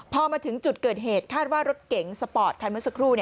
พอมาถึงจุดเกิดเหตุคาดว่ารถเก๋งสปอร์ตคันเมื่อสักครู่